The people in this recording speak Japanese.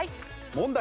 問題。